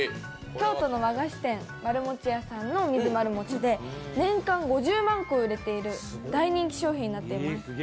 京都の和菓子店まるもち家さんの水まる餅で年間５０万個売れている大人気商品になっています。